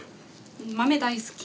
豆大好き。